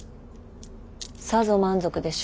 さぞ満足でしょうね。